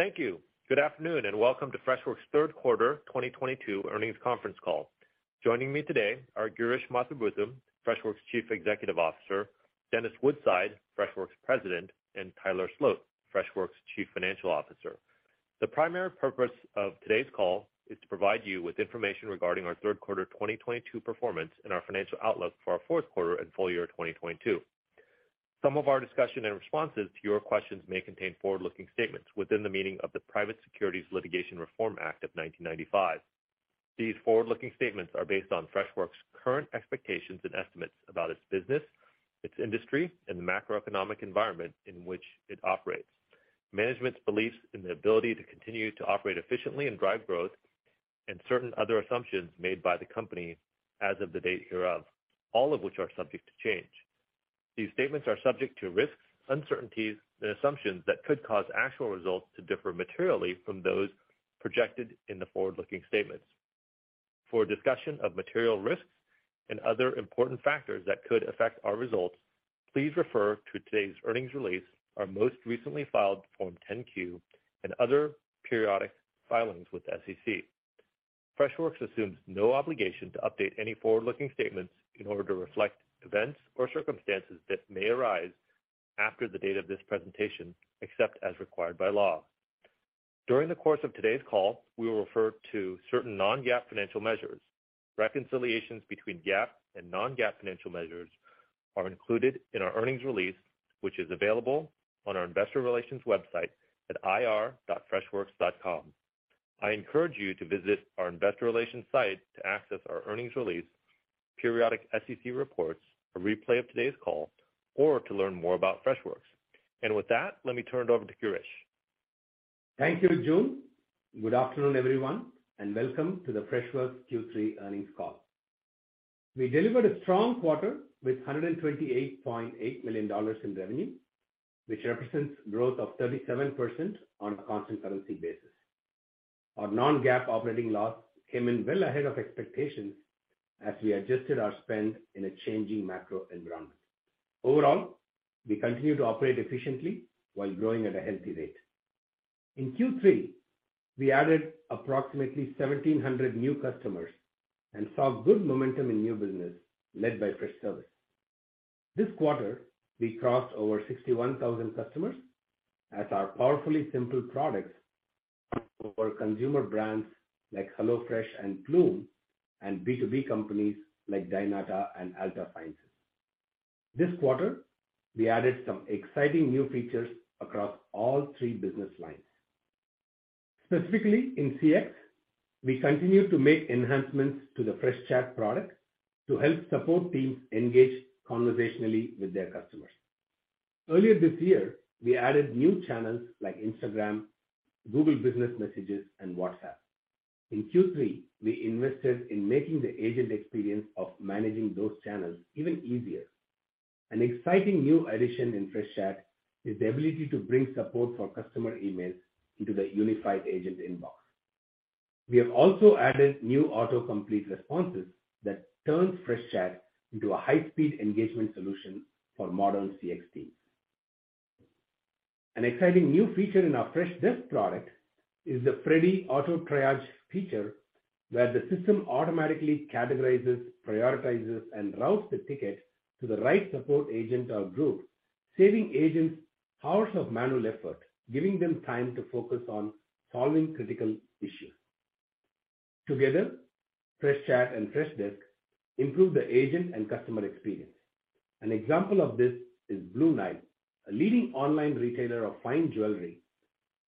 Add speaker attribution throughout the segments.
Speaker 1: Thank you. Good afternoon, and welcome to Freshworks' third quarter 2022 earnings conference call. Joining me today are Girish Mathrubootham, Freshworks' Chief Executive Officer, Dennis Woodside, Freshworks' President, and Tyler Sloat, Freshworks' Chief Financial Officer. The primary purpose of today's call is to provide you with information regarding our third quarter 2022 performance and our financial outlook for our fourth quarter and full year 2022. Some of our discussion and responses to your questions may contain forward-looking statements within the meaning of the Private Securities Litigation Reform Act of 1995. These forward-looking statements are based on Freshworks' current expectations and estimates about its business, its industry, and the macroeconomic environment in which it operates, management's beliefs in the ability to continue to operate efficiently and drive growth, and certain other assumptions made by the company as of the date hereof, all of which are subject to change. These statements are subject to risks, uncertainties, and assumptions that could cause actual results to differ materially from those projected in the forward-looking statements. For a discussion of material risks and other important factors that could affect our results, please refer to today's earnings release, our most recently filed Form 10-Q, and other periodic filings with the SEC. Freshworks assumes no obligation to update any forward-looking statements in order to reflect events or circumstances that may arise after the date of this presentation, except as required by law. During the course of today's call, we will refer to certain non-GAAP financial measures. Reconciliations between GAAP and non-GAAP financial measures are included in our earnings release, which is available on our investor relations website at ir.freshworks.com. I encourage you to visit our investor relations site to access our earnings release, periodic SEC reports, a replay of today's call, or to learn more about Freshworks. With that, let me turn it over to Girish.
Speaker 2: Thank you, Joon. Good afternoon, everyone, and welcome to the Freshworks Q3 earnings call. We delivered a strong quarter with $128.8 million in revenue, which represents growth of 37% on a constant currency basis. Our non-GAAP operating loss came in well ahead of expectations as we adjusted our spend in a changing macro environment. Overall, we continue to operate efficiently while growing at a healthy rate. In Q3, we added approximately 1,700 new customers and saw good momentum in new business led by Freshservice. This quarter, we crossed over 61,000 customers as our powerfully simple products for consumer brands like HelloFresh and Plume and B2B companies like Dynata and Altasciences. This quarter, we added some exciting new features across all three business lines. Specifically, in CX, we continue to make enhancements to the Freshchat product to help support teams engage conversationally with their customers. Earlier this year, we added new channels like Instagram, Google Business Messages and WhatsApp. In Q3, we invested in making the agent experience of managing those channels even easier. An exciting new addition in Freshchat is the ability to bring support for customer emails into the unified agent inbox. We have also added new autocomplete responses that turns Freshchat into a high-speed engagement solution for modern CX teams. An exciting new feature in our Freshdesk product is the Freddy Auto Triage feature, where the system automatically categorizes, prioritizes, and routes the ticket to the right support agent or group, saving agents hours of manual effort, giving them time to focus on solving critical issues. Together, Freshchat and Freshdesk improve the agent and customer experience. An example of this is Blue Nile, a leading online retailer of fine jewelry,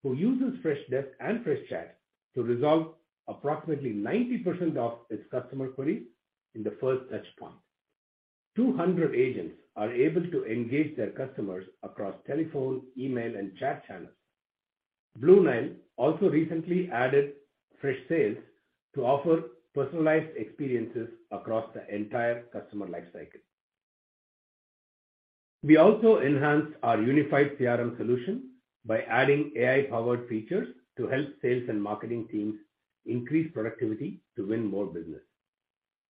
Speaker 2: who uses Freshdesk and Freshchat to resolve approximately 90% of its customer queries in the first touch point. 200 agents are able to engage their customers across telephone, email and chat channels. Blue Nile also recently added Freshsales to offer personalized experiences across the entire customer life cycle. We also enhanced our unified CRM solution by adding AI-powered features to help sales and marketing teams increase productivity to win more business.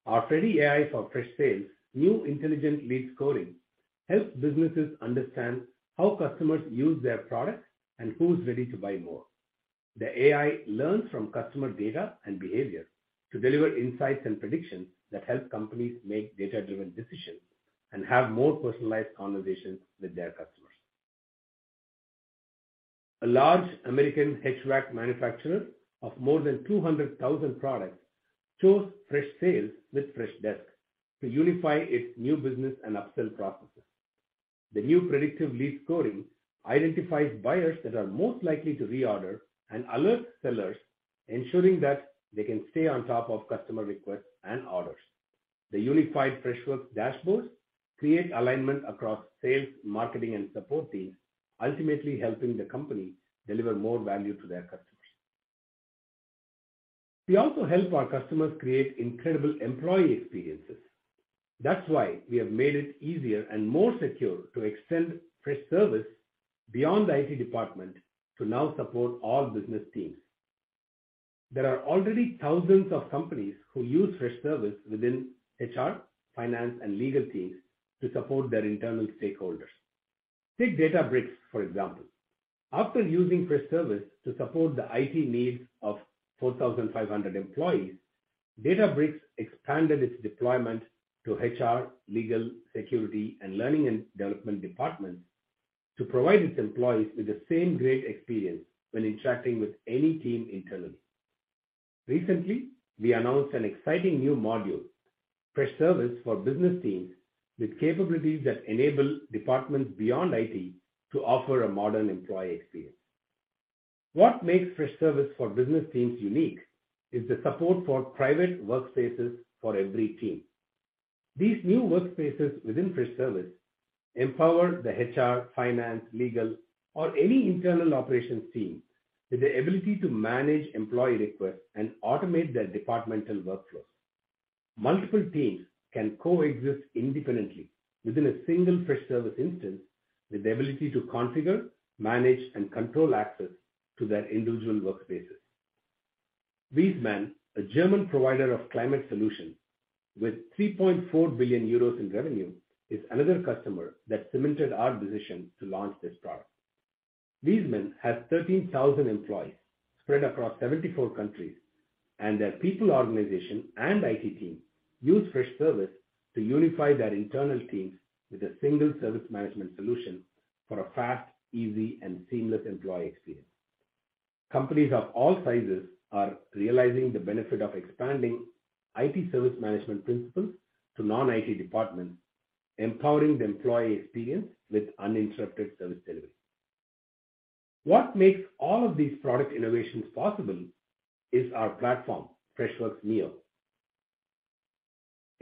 Speaker 2: Our Freddy AI for Freshsales' new intelligent lead scoring helps businesses understand how customers use their products and who's ready to buy more. The AI learns from customer data and behavior to deliver insights and predictions that help companies make data-driven decisions and have more personalized conversations with their customers. A large American HVAC manufacturer of more than 200,000 products chose Freshsales with Freshdesk to unify its new business and upsell processes. The new predictive lead scoring identifies buyers that are most likely to reorder and alerts sellers, ensuring that they can stay on top of customer requests and orders. The unified Freshworks dashboards create alignment across sales, marketing, and support teams, ultimately helping the company deliver more value to their customers. We also help our customers create incredible employee experiences. That's why we have made it easier and more secure to extend Freshservice beyond the IT department to now support all business teams. There are already thousands of companies who use Freshservice within HR, finance, and legal teams to support their internal stakeholders. Take Databricks, for example. After using Freshservice to support the IT needs of 4,500 employees, Databricks expanded its deployment to HR, legal, security, and learning and development departments to provide its employees with the same great experience when interacting with any team internally. Recently, we announced an exciting new module, Freshservice for Business Teams, with capabilities that enable departments beyond IT to offer a modern employee experience. What makes Freshservice for Business Teams unique is the support for private workspaces for every team. These new workspaces within Freshservice empower the HR, finance, legal, or any internal operations team with the ability to manage employee requests and automate their departmental workflows. Multiple teams can coexist independently within a single Freshservice instance with the ability to configure, manage, and control access to their individual workspaces. Viessmann, a German provider of climate solutions with 3.4 billion euros in revenue, is another customer that cemented our decision to launch this product. Viessmann has 13,000 employees spread across 74 countries, and their people organization and IT team use Freshservice to unify their internal teams with a single service management solution for a fast, easy, and seamless employee experience. Companies of all sizes are realizing the benefit of expanding IT service management principles to non-IT departments, empowering the employee experience with uninterrupted service delivery. What makes all of these product innovations possible is our platform, Freshworks Neo.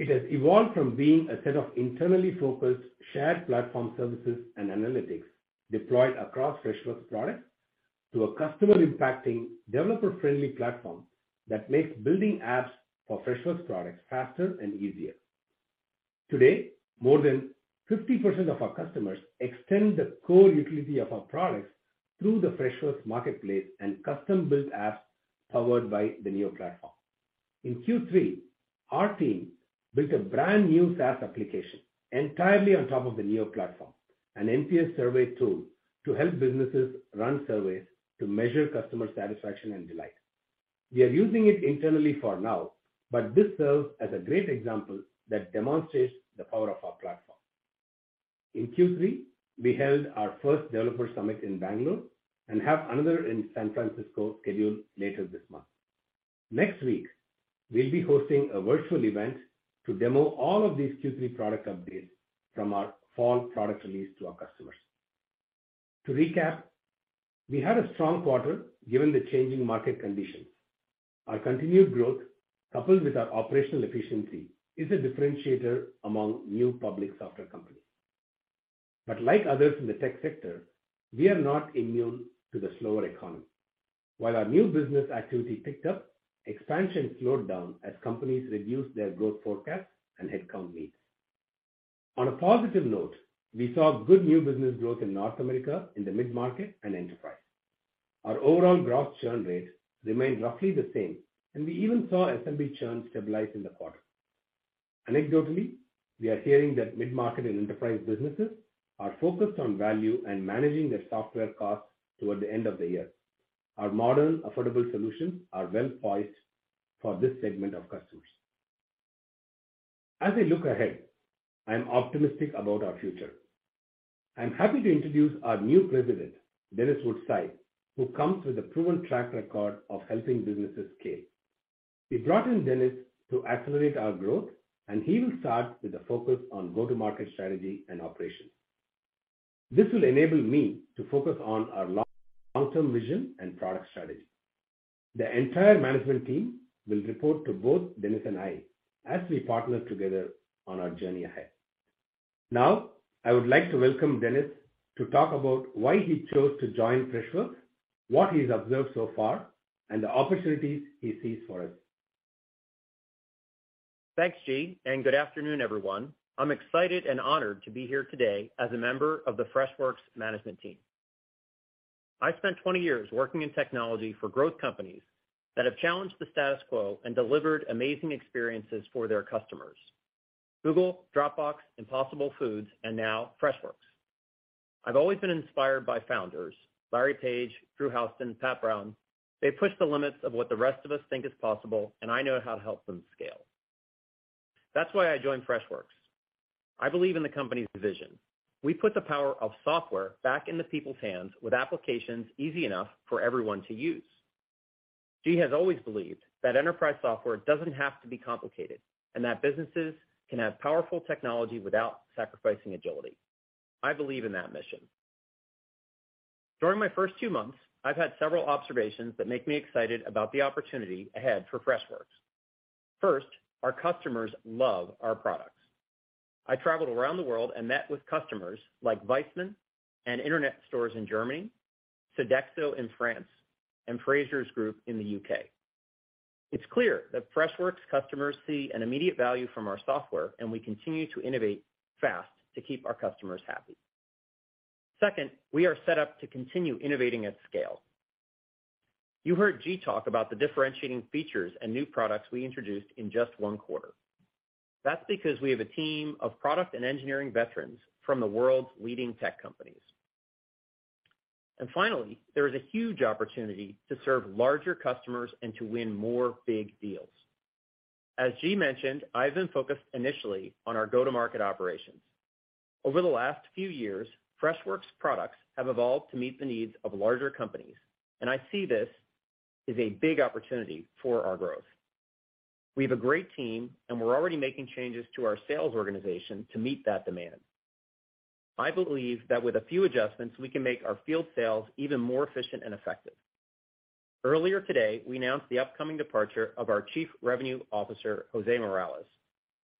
Speaker 2: It has evolved from being a set of internally focused shared platform services and analytics deployed across Freshworks products to a customer impacting developer-friendly platform that makes building apps for Freshworks products faster and easier. Today, more than 50% of our customers extend the core utility of our products through the Freshworks marketplace and custom-built apps powered by the Neo platform. In Q3, our team built a brand new SaaS application entirely on top of the Neo platform, an NPS survey tool to help businesses run surveys to measure customer satisfaction and delight. We are using it internally for now, but this serves as a great example that demonstrates the power of our platform. In Q3, we held our first developer summit in Bangalore and have another in San Francisco scheduled later this month. Next week, we'll be hosting a virtual event to demo all of these Q3 product updates from our fall product release to our customers. To recap, we had a strong quarter given the changing market conditions. Our continued growth, coupled with our operational efficiency, is a differentiator among new public software companies. Like others in the tech sector, we are not immune to the slower economy. While our new business activity picked up, expansion slowed down as companies reduced their growth forecasts and headcount needs. On a positive note, we saw good new business growth in North America in the mid-market and enterprise. Our overall gross churn rate remained roughly the same, and we even saw SMB churn stabilize in the quarter. Anecdotally, we are hearing that mid-market and enterprise businesses are focused on value and managing their software costs toward the end of the year. Our modern, affordable solutions are well-poised for this segment of customers. As I look ahead, I am optimistic about our future. I'm happy to introduce our new President, Dennis Woodside, who comes with a proven track record of helping businesses scale. We brought in Dennis to accelerate our growth, and he will start with a focus on go-to-market strategy and operations. This will enable me to focus on our long-term vision and product strategy. The entire management team will report to both Dennis and I as we partner together on our journey ahead. Now, I would like to welcome Dennis to talk about why he chose to join Freshworks, what he's observed so far, and the opportunities he sees for us.
Speaker 3: Thanks, G, and good afternoon, everyone. I'm excited and honored to be here today as a member of the Freshworks management team. I spent 20 years working in technology for growth companies that have challenged the status quo and delivered amazing experiences for their customers. Google, Dropbox, Impossible Foods, and now Freshworks. I've always been inspired by founders, Larry Page, Drew Houston, Pat Brown. They push the limits of what the rest of us think is possible, and I know how to help them scale. That's why I joined Freshworks. I believe in the company's vision. We put the power of software back into people's hands with applications easy enough for everyone to use. G has always believed that enterprise software doesn't have to be complicated and that businesses can have powerful technology without sacrificing agility. I believe in that mission. During my first two months, I've had several observations that make me excited about the opportunity ahead for Freshworks. First, our customers love our products. I traveled around the world and met with customers like Viessmann and Internetstores in Germany, Sodexo in France, and Frasers Group in the UK. It's clear that Freshworks customers see an immediate value from our software, and we continue to innovate fast to keep our customers happy. Second, we are set up to continue innovating at scale. You heard G talk about the differentiating features and new products we introduced in just one quarter. That's because we have a team of product and engineering veterans from the world's leading tech companies. Finally, there is a huge opportunity to serve larger customers and to win more big deals. As G mentioned, I've been focused initially on our go-to-market operations. Over the last few years, Freshworks products have evolved to meet the needs of larger companies, and I see this as a big opportunity for our growth. We have a great team, and we're already making changes to our sales organization to meet that demand. I believe that with a few adjustments, we can make our field sales even more efficient and effective. Earlier today, we announced the upcoming departure of our Chief Revenue Officer, José Morales.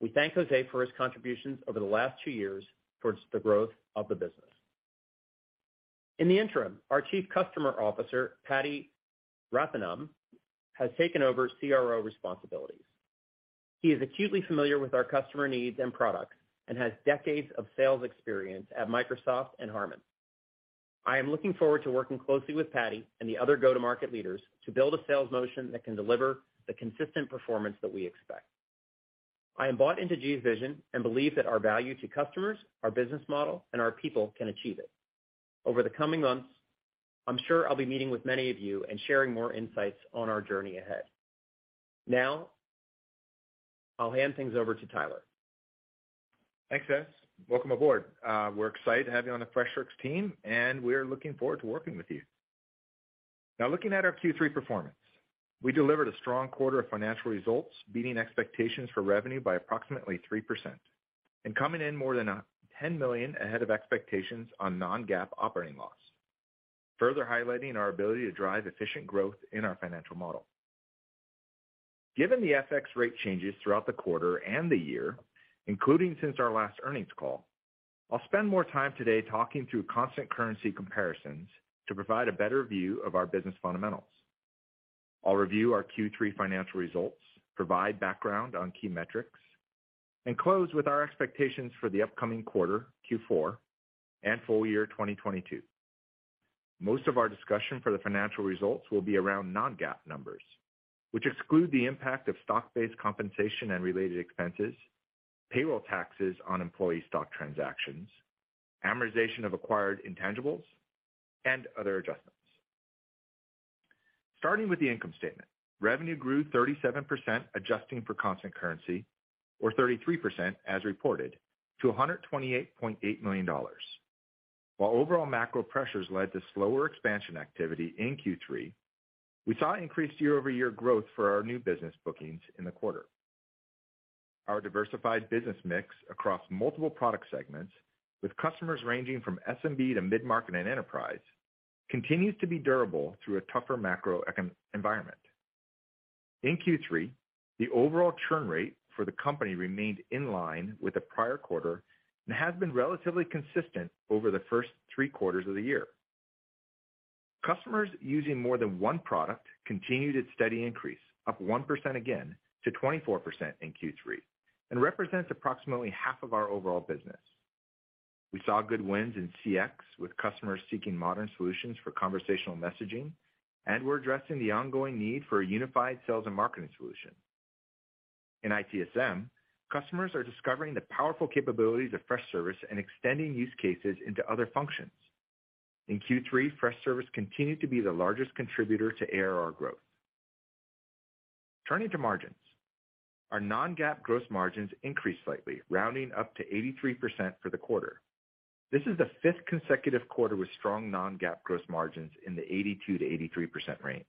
Speaker 3: We thank José for his contributions over the last two years towards the growth of the business. In the interim, our Chief Customer Officer, Pradeep Rathinam, has taken over CRO responsibilities. He is acutely familiar with our customer needs and products and has decades of sales experience at Microsoft and Harman. I am looking forward to working closely with Patty and the other go-to-market leaders to build a sales motion that can deliver the consistent performance that we expect. I am bought into Gee's vision and believe that our value to customers, our business model, and our people can achieve it. Over the coming months, I'm sure I'll be meeting with many of you and sharing more insights on our journey ahead. Now, I'll hand things over to Tyler.
Speaker 4: Thanks, S. Welcome aboard. We're excited to have you on the Freshworks team, and we're looking forward to working with you. Now, looking at our Q3 performance, we delivered a strong quarter of financial results, beating expectations for revenue by approximately 3% and coming in more than $10 million ahead of expectations on non-GAAP operating loss, further highlighting our ability to drive efficient growth in our financial model. Given the FX rate changes throughout the quarter and the year, including since our last earnings call, I'll spend more time today talking through constant currency comparisons to provide a better view of our business fundamentals. I'll review our Q3 financial results, provide background on key metrics, and close with our expectations for the upcoming quarter, Q4, and full year 2022. Most of our discussion for the financial results will be around non-GAAP numbers, which exclude the impact of stock-based compensation and related expenses, payroll taxes on employee stock transactions, amortization of acquired intangibles, and other adjustments. Starting with the income statement, revenue grew 37%, adjusting for constant currency, or 33% as reported to $128.8 million. While overall macro pressures led to slower expansion activity in Q3, we saw increased year-over-year growth for our new business bookings in the quarter. Our diversified business mix across multiple product segments with customers ranging from SMB to mid-market and enterprise continues to be durable through a tougher macro econ environment. In Q3, the overall churn rate for the company remained in line with the prior quarter and has been relatively consistent over the first three quarters of the year. Customers using more than one product continued its steady increase, up 1% again to 24% in Q3, and represents approximately half of our overall business. We saw good wins in CX with customers seeking modern solutions for conversational messaging, and we're addressing the ongoing need for a unified sales and marketing solution. In ITSM, customers are discovering the powerful capabilities of Freshservice and extending use cases into other functions. In Q3, Freshservice continued to be the largest contributor to ARR growth. Turning to margins, our non-GAAP gross margins increased slightly, rounding up to 83% for the quarter. This is the fifth consecutive quarter with strong non-GAAP gross margins in the 82%-83% range.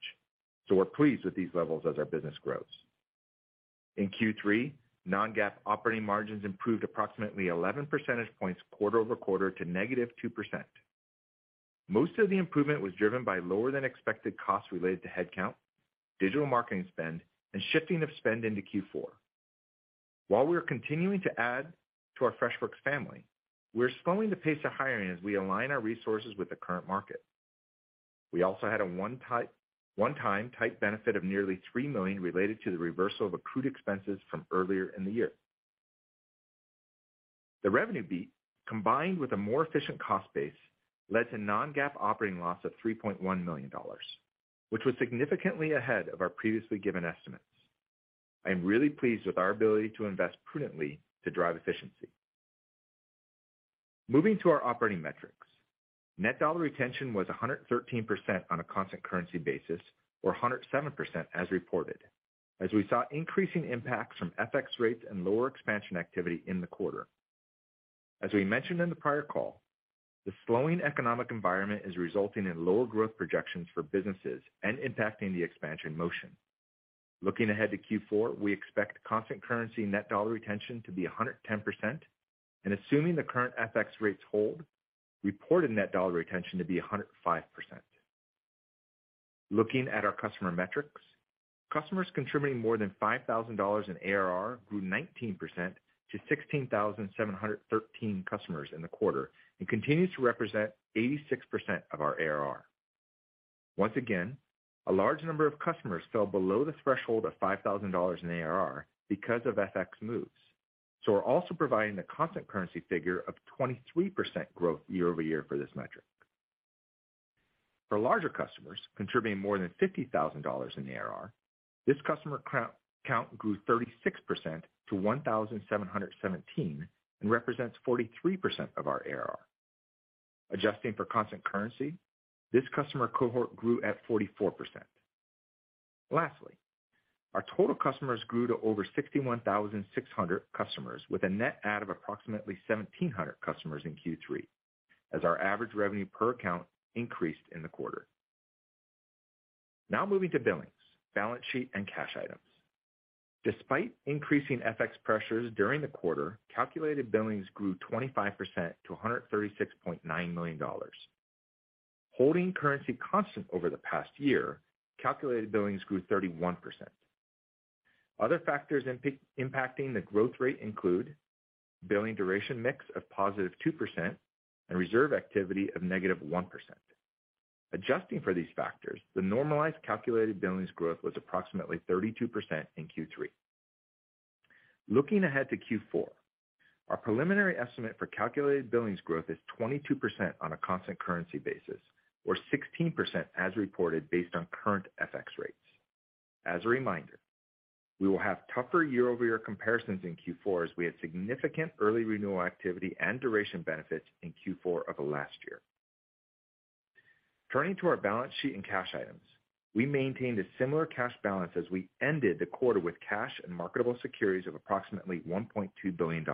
Speaker 4: We're pleased with these levels as our business grows. In Q3, non-GAAP operating margins improved approximately 11 percentage points quarter-over-quarter to -2%. Most of the improvement was driven by lower than expected costs related to headcount, digital marketing spend, and shifting of spend into Q4. While we are continuing to add to our Freshworks family, we're slowing the pace of hiring as we align our resources with the current market. We also had a one-time type benefit of nearly $3 million related to the reversal of accrued expenses from earlier in the year. The revenue beat, combined with a more efficient cost base, led to non-GAAP operating loss of $3.1 million, which was significantly ahead of our previously given estimates. I am really pleased with our ability to invest prudently to drive efficiency. Moving to our operating metrics, net dollar retention was 113% on a constant currency basis, or 107% as reported, as we saw increasing impacts from FX rates and lower expansion activity in the quarter. As we mentioned in the prior call, the slowing economic environment is resulting in lower growth projections for businesses and impacting the expansion motion. Looking ahead to Q4, we expect constant currency net dollar retention to be 110%, and assuming the current FX rates hold, reported net dollar retention to be 105%. Looking at our customer metrics, customers contributing more than $5,000 in ARR grew 19% to 16,713 customers in the quarter and continues to represent 86% of our ARR. Once again, a large number of customers fell below the threshold of $5,000 in ARR because of FX moves. We're also providing the constant currency figure of 23% growth year over year for this metric. For larger customers contributing more than $50,000 in ARR, this customer count grew 36% to 1,717 and represents 43% of our ARR. Adjusting for constant currency, this customer cohort grew at 44%. Lastly, our total customers grew to over 61,600 customers with a net add of approximately 1,700 customers in Q3 as our average revenue per account increased in the quarter. Now moving to billings, balance sheet, and cash items. Despite increasing FX pressures during the quarter, calculated billings grew 25% to $136.9 million. Holding currency constant over the past year, calculated billings grew 31%. Other factors impacting the growth rate include billing duration mix of +2% and reserve activity of -1%. Adjusting for these factors, the normalized calculated billings growth was approximately 32% in Q3. Looking ahead to Q4, our preliminary estimate for calculated billings growth is 22% on a constant currency basis or 16% as reported based on current FX rates. As a reminder, we will have tougher year-over-year comparisons in Q4 as we had significant early renewal activity and duration benefits in Q4 of last year. Turning to our balance sheet and cash items. We maintained a similar cash balance as we ended the quarter with cash and marketable securities of approximately $1.2 billion.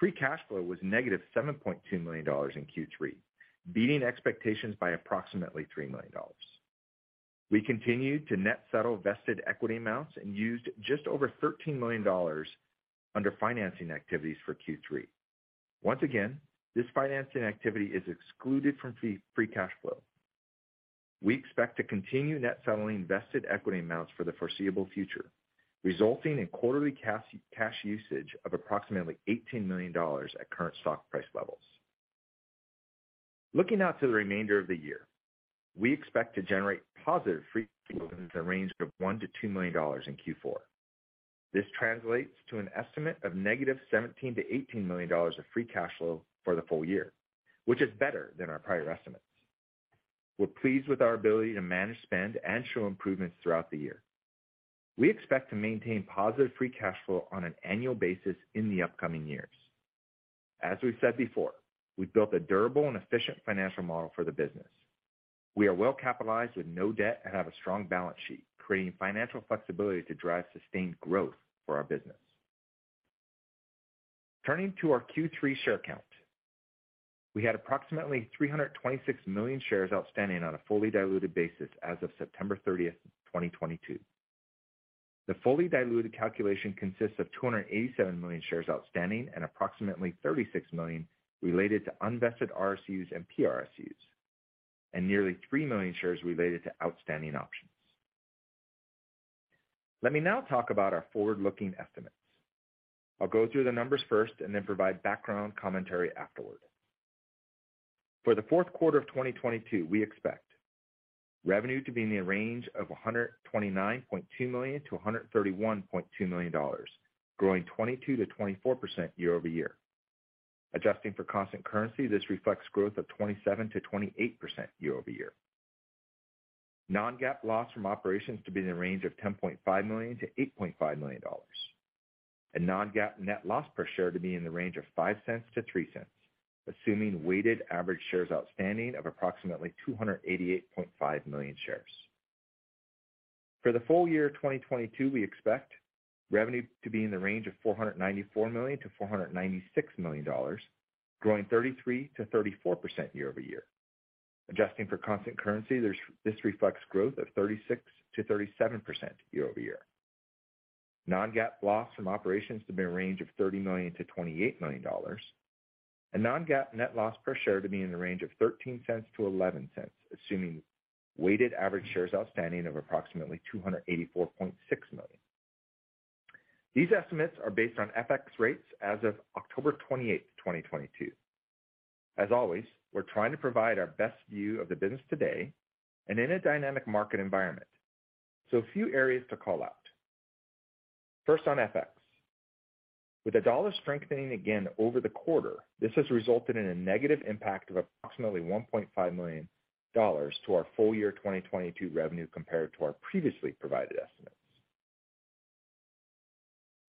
Speaker 4: Free cash flow was -$7.2 million in Q3, beating expectations by approximately $3 million. We continued to net settle vested equity amounts and used just over $13 million under financing activities for Q3. Once again, this financing activity is excluded from free cash flow. We expect to continue net settling vested equity amounts for the foreseeable future, resulting in quarterly cash usage of approximately $18 million at current stock price levels. Looking out to the remainder of the year, we expect to generate positive free cash flow in the range of $1 million-$2 million in Q4. This translates to an estimate of -$17 million-$18 million of free cash flow for the full year, which is better than our prior estimates. We're pleased with our ability to manage spend and show improvements throughout the year. We expect to maintain positive free cash flow on an annual basis in the upcoming years. As we've said before, we've built a durable and efficient financial model for the business. We are well capitalized with no debt and have a strong balance sheet, creating financial flexibility to drive sustained growth for our business. Turning to our Q3 share count. We had approximately 326 million shares outstanding on a fully diluted basis as of September 30, 2022. The fully diluted calculation consists of 287 million shares outstanding and approximately 36 million related to unvested RSUs and PRSUs, and nearly three million shares related to outstanding options. Let me now talk about our forward-looking estimates. I'll go through the numbers first and then provide background commentary afterward. For the fourth quarter of 2022, we expect revenue to be in the range of $129.2 million-$131.2 million, growing 22%-24% year over year. Adjusting for constant currency, this reflects growth of 27%-28% year over year. Non-GAAP loss from operations to be in the range of $10.5 million-$8.5 million. Non-GAAP net loss per share to be in the range of $0.05-$0.03, assuming weighted average shares outstanding of approximately 288.5 million shares. For the full year 2022, we expect revenue to be in the range of $494 million-$496 million, growing 33%-34% year-over-year. Adjusting for constant currency, this reflects growth of 36%-37% year-over-year. Non-GAAP loss from operations to be in a range of $30 million-$28 million. Non-GAAP net loss per share to be in the range of $0.13-$0.11, assuming weighted average shares outstanding of approximately 284.6 million. These estimates are based on FX rates as of October 28, 2022. As always, we're trying to provide our best view of the business today and in a dynamic market environment. A few areas to call out. First on FX. With the dollar strengthening again over the quarter, this has resulted in a negative impact of approximately $1.5 million to our full year 2022 revenue compared to our previously provided estimates.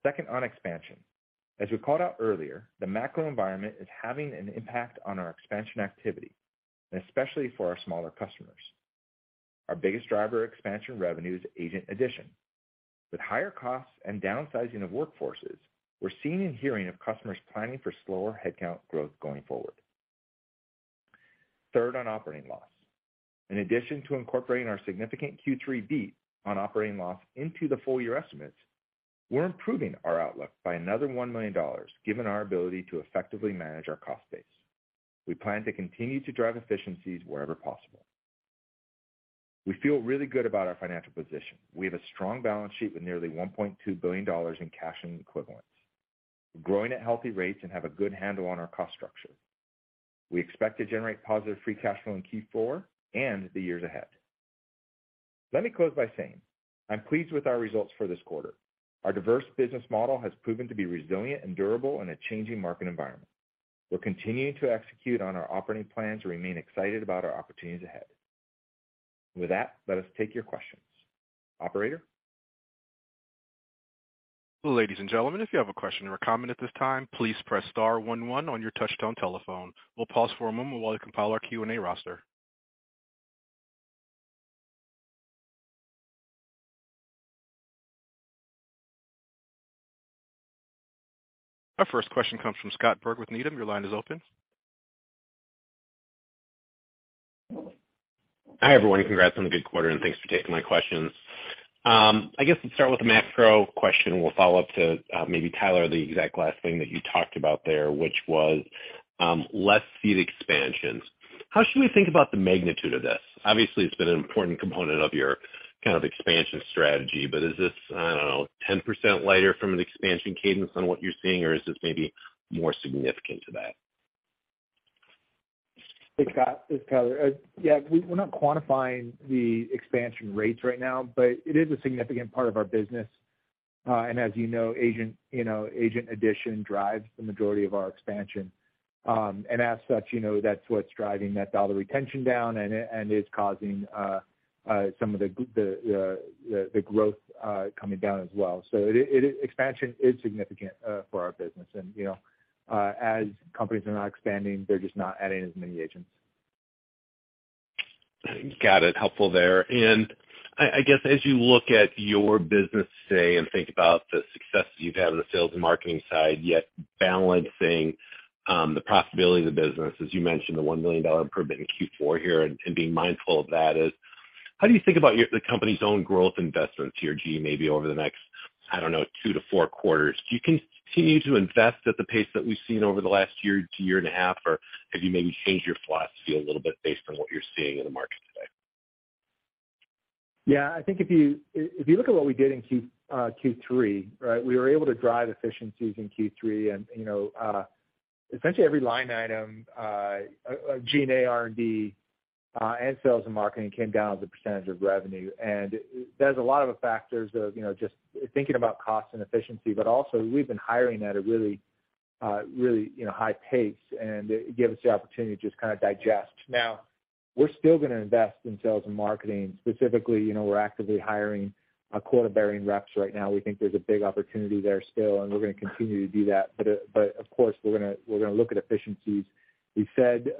Speaker 4: Second on expansion. As we called out earlier, the macro environment is having an impact on our expansion activity, and especially for our smaller customers. Our biggest driver of expansion revenue is agent addition. With higher costs and downsizing of workforces, we're seeing and hearing of customers planning for slower headcount growth going forward. Third on operating loss. In addition to incorporating our significant Q3 beat on operating loss into the full year estimates, we're improving our outlook by another $1 million, given our ability to effectively manage our cost base. We plan to continue to drive efficiencies wherever possible. We feel really good about our financial position. We have a strong balance sheet with nearly $1.2 billion in cash and equivalents. We're growing at healthy rates and have a good handle on our cost structure. We expect to generate positive free cash flow in Q4 and the years ahead. Let me close by saying I'm pleased with our results for this quarter. Our diverse business model has proven to be resilient and durable in a changing market environment. We're continuing to execute on our operating plans and remain excited about our opportunities ahead. With that, let us take your questions. Operator?
Speaker 5: Ladies and gentlemen, if you have a question or comment at this time, please press star one one on your touchtone telephone. We'll pause for a moment while we compile our Q&A roster. Our first question comes from Scott Berg with Needham. Your line is open.
Speaker 6: Hi, everyone. Congrats on a good quarter, and thanks for taking my questions. I guess let's start with the macro question. We'll follow up to maybe Tyler, the exact last thing that you talked about there, which was less seat expansions. How should we think about the magnitude of this? Obviously, it's been an important component of your kind of expansion strategy, but is this, I don't know, 10% lighter from an expansion cadence on what you're seeing, or is this maybe more significant to that?
Speaker 4: Hey, Scott Berg, it's Tyler Sloat. We're not quantifying the expansion rates right now, but it is a significant part of our business. As you know, agent addition drives the majority of our expansion. As such, you know, that's what's driving that dollar retention down, and it's causing some of the growth coming down as well. Expansion is significant for our business. As companies are not expanding, they're just not adding as many agents.
Speaker 6: Got it. Helpful there. I guess as you look at your business today and think about the success you've had on the sales and marketing side, yet balancing the profitability of the business, as you mentioned, the $1 million improvement in Q4 here and being mindful of that is how do you think about the company's own growth investments here, G&A, maybe over the next, I don't know, two-four quarters? Do you continue to invest at the pace that we've seen over the last year to year and a half, or have you maybe changed your philosophy a little bit based on what you're seeing in the market today?
Speaker 4: Yeah, I think if you look at what we did in Q3, right, we were able to drive efficiencies in Q3 and, you know, essentially every line item, G&A, R&D, and sales and marketing came down as a percentage of revenue. There's a lot of factors of, you know, just thinking about cost and efficiency, but also we've been hiring at a really, you know, high pace, and it gave us the opportunity to just kind of digest. Now, we're still gonna invest in sales and marketing. Specifically, you know, we're actively hiring quota-bearing reps right now. We think there's a big opportunity there still, and we're gonna continue to do that. But of course, we're gonna look at efficiencies. We said,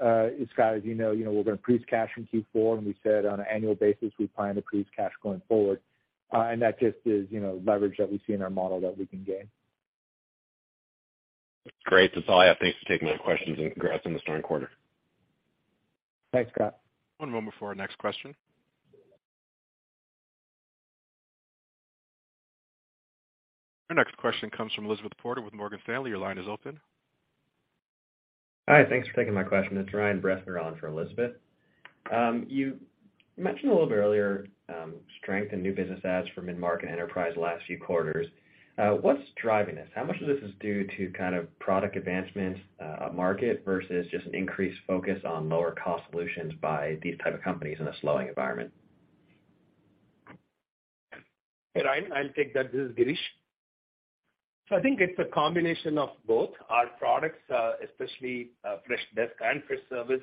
Speaker 4: Scott, as you know, you know, we're gonna increase cash in Q4, and we said on an annual basis, we plan to increase cash going forward. That just is, you know, leverage that we see in our model that we can gain.
Speaker 6: Great. That's all I have. Thanks for taking my questions and congrats on the strong quarter.
Speaker 4: Thanks, Scott.
Speaker 5: One moment for our next question. Our next question comes from Elizabeth Porter with Morgan Stanley. Your line is open.
Speaker 7: Hi. Thanks for taking my question. It's Ryan Brinkman on for Elizabeth. You mentioned a little bit earlier, strength in new business adds for mid-market enterprise the last few quarters. What's driving this? How much of this is due to kind of product advancements, market versus just an increased focus on lower cost solutions by these type of companies in a slowing environment?
Speaker 2: Hey, Ryan, I'll take that. This is Girish. I think it's a combination of both. Our products, especially, Freshdesk and Freshservice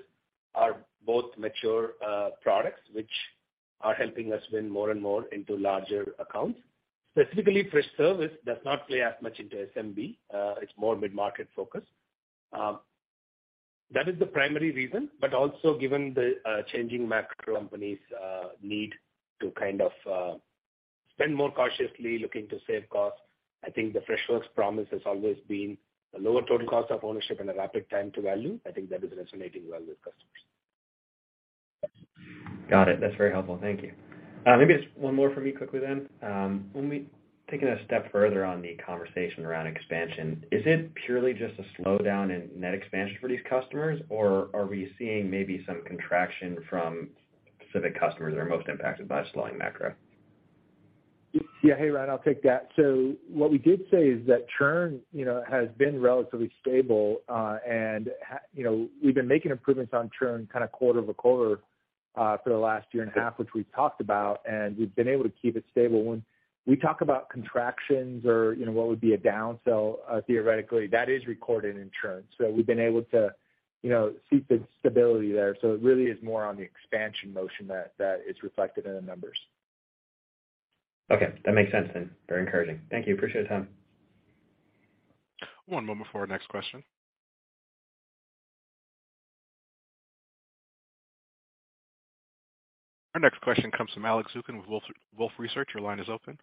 Speaker 2: are both mature products, which are helping us win more and more into larger accounts. Specifically, Freshservice does not play as much into SMB. It's more mid-market focused. That is the primary reason, but also given the changing macro, companies need to kind of spend more cautiously looking to save costs. I think the Freshworks promise has always been a lower total cost of ownership and a rapid time to value. I think that is resonating well with customers.
Speaker 7: Got it. That's very helpful. Thank you. Maybe just one more for me quickly then. When we take it a step further on the conversation around expansion, is it purely just a slowdown in net expansion for these customers, or are we seeing maybe some contraction from specific customers that are most impacted by a slowing macro?
Speaker 4: Yeah. Hey, Ryan, I'll take that. What we did say is that churn, you know, has been relatively stable, and you know, we've been making improvements on churn kind of quarter-over-quarter, for the last year and a half, which we've talked about, and we've been able to keep it stable. When we talk about contractions or, you know, what would be a downsell, theoretically, that is recorded in churn. We've been able to, you know, see some stability there. It really is more on the expansion motion that is reflected in the numbers.
Speaker 7: Okay, that makes sense then. Very encouraging. Thank you. Appreciate the time.
Speaker 5: One moment for our next question. Our next question comes from Alex Zukin with Wolfe Research. Your line is open.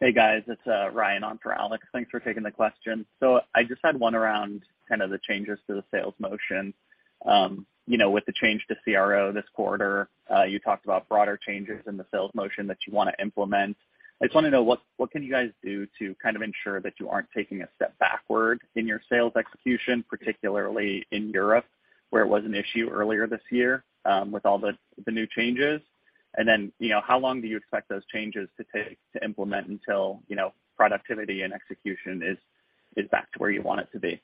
Speaker 8: Hey, guys, it's Ryan on for Alex. Thanks for taking the question. So I just had one around kind of the changes to the sales motion. You know, with the change to CRO this quarter, you talked about broader changes in the sales motion that you wanna implement. I just wanna know what can you guys do to kind of ensure that you aren't taking a step backward in your sales execution, particularly in Europe, where it was an issue earlier this year, with all the new changes? Then, you know, how long do you expect those changes to take to implement until, you know, productivity and execution is back to where you want it to be?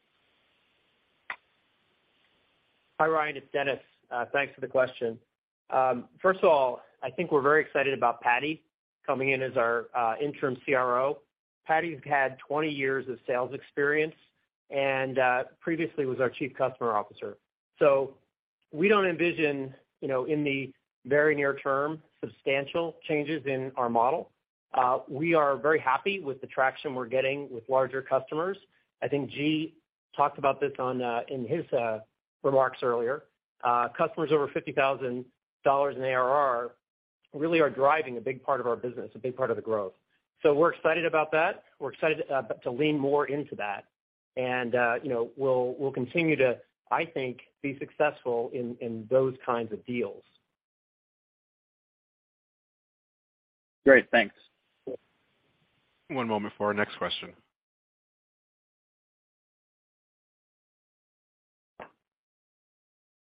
Speaker 3: Hi, Ryan. It's Dennis. Thanks for the question. First of all, I think we're very excited about Patty coming in as our interim CRO. Patty's had 20 years of sales experience and previously was our chief customer officer. We don't envision, you know, in the very near term, substantial changes in our model. We are very happy with the traction we're getting with larger customers. I think Girish talked about this in his remarks earlier. Customers over $50,000 in ARR really are driving a big part of our business, a big part of the growth. We're excited about that. We're excited to lean more into that. You know, we'll continue to, I think, be successful in those kinds of deals.
Speaker 8: Great. Thanks.
Speaker 5: One moment for our next question.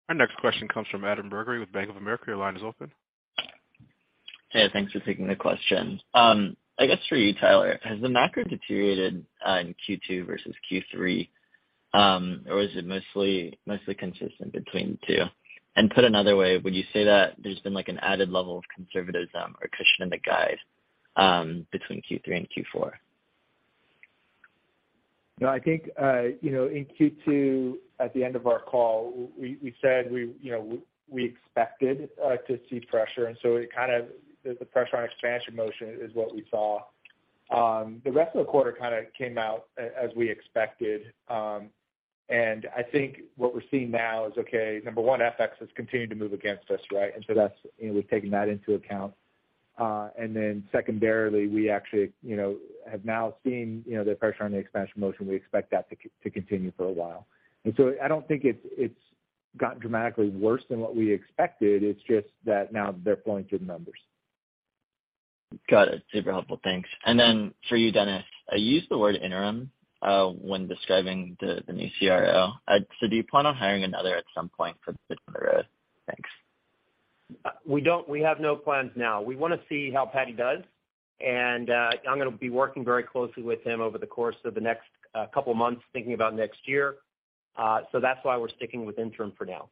Speaker 5: Our next question comes from Adam Bergere with Bank of America. Your line is open.
Speaker 9: Hey, thanks for taking the question. I guess for you, Tyler, has the macro deteriorated in Q2 versus Q3? Or is it mostly consistent between the two? Put another way, would you say that there's been, like, an added level of conservatism or cushion in the guide between Q3 and Q4?
Speaker 4: No, I think, you know, in Q2, at the end of our call, we said we, you know, we expected to see pressure, and so the pressure on expansion motion is what we saw. The rest of the quarter kind of came out as we expected, and I think what we're seeing now is, okay, number one, FX has continued to move against us, right? That's, you know, we've taken that into account. Then secondarily, we actually, you know, have now seen, you know, the pressure on the expansion motion. We expect that to continue for a while. I don't think it's gotten dramatically worse than what we expected. It's just that now they're flowing through the numbers.
Speaker 9: Got it. Super helpful. Thanks. For you, Dennis, I used the word interim when describing the new CRO. So do you plan on hiring another at some point for the role? Thanks.
Speaker 3: We don't. We have no plans now. We wanna see how Patty does, and I'm gonna be working very closely with him over the course of the next couple months thinking about next year. That's why we're sticking with interim for now.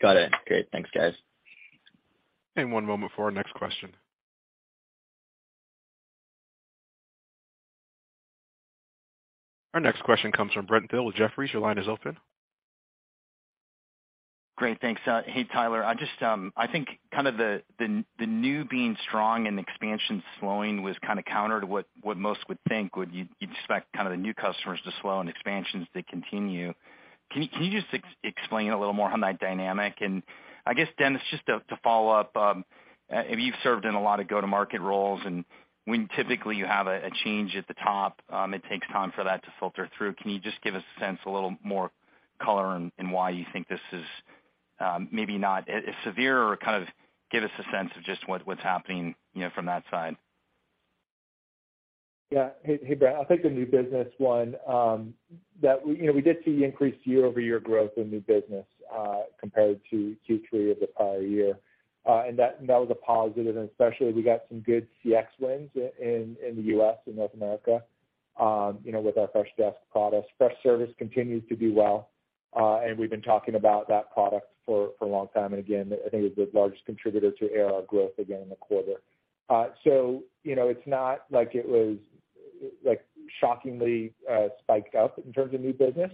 Speaker 9: Got it. Great. Thanks, guys.
Speaker 5: One moment for our next question. Our next question comes from Brent Thill with Jefferies. Your line is open.
Speaker 10: Great. Thanks. Hey, Tyler. I just think kind of the new logo being strong and expansion slowing was kind of counter to what most would think. You'd expect kind of the new customers to slow and expansions to continue. Can you just explain a little more on that dynamic? I guess, Dennis, just to follow up, you've served in a lot of go-to-market roles, and when typically you have a change at the top, it takes time for that to filter through. Can you just give us a sense, a little more color on why you think this is maybe not as severe or kind of give us a sense of just what's happening, you know, from that side?
Speaker 4: Yeah. Hey, Brent. I'll take the new business one. That, you know, we did see increased year-over-year growth in new business compared to Q3 of the prior year. That was a positive, and especially we got some good CX wins in the U.S., in North America, you know, with our Freshdesk products. Freshservice continues to do well, and we've been talking about that product for a long time. Again, I think it was the largest contributor to AR growth again in the quarter. You know, it's not like it was, like, shockingly spiked up in terms of new business.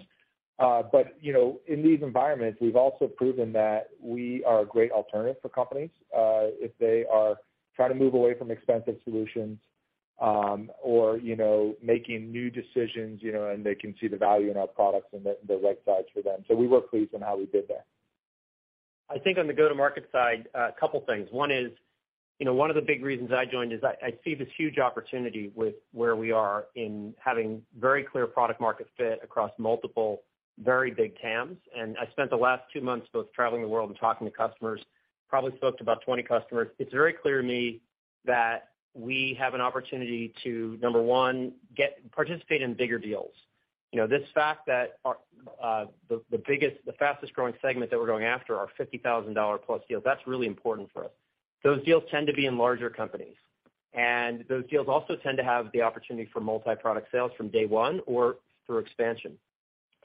Speaker 4: you know, in these environments, we've also proven that we are a great alternative for companies, if they are trying to move away from expensive solutions, or, you know, making new decisions, you know, and they can see the value in our products and the right size for them. We were pleased on how we did there.
Speaker 3: I think on the go-to-market side, a couple things. One is, you know, one of the big reasons I joined is I see this huge opportunity with where we are in having very clear product market fit across multiple very big TAMs. I spent the last two months both traveling the world and talking to customers. Probably spoke to about 20 customers. It's very clear to me that we have an opportunity to, number one, participate in bigger deals. You know, this fact that our, the biggest, the fastest-growing segment that we're going after are $50,000-plus deals, that's really important for us. Those deals tend to be in larger companies, and those deals also tend to have the opportunity for multi-product sales from day one or through expansion.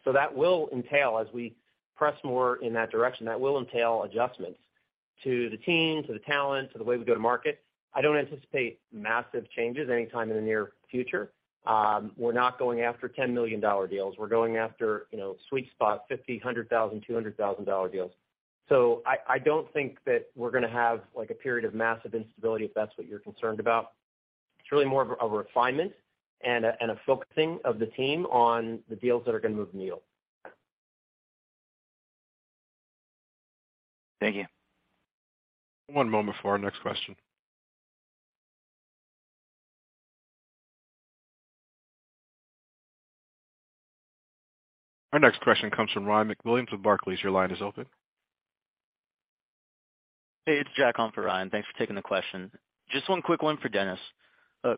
Speaker 3: That will entail, as we press more in that direction, adjustments to the team, to the talent, to the way we go to market. I don't anticipate massive changes anytime in the near future. We're not going after $10 million deals. We're going after, you know, sweet spot $50,000, $100,000, $200,000 deals. I don't think that we're gonna have, like, a period of massive instability, if that's what you're concerned about. It's really more of a refinement and a focusing of the team on the deals that are gonna move the needle.
Speaker 10: Thank you.
Speaker 5: One moment for our next question. Our next question comes from Ryan MacWilliams with Barclays. Your line is open.
Speaker 11: Hey, it's Jack on for Ryan. Thanks for taking the question. Just one quick one for Dennis.